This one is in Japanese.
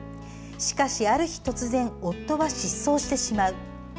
しかし、ある日突然夫は失踪してしまう。